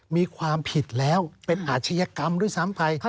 มีความผิดแล้วเป็นอาชญากรรมด้วยซ้ำไป